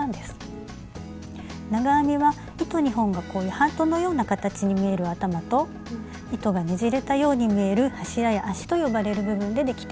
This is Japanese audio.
長編みは糸２本がこういうハートのような形に見える「頭」と糸がねじれたように見える「柱や足」と呼ばれる部分でできています。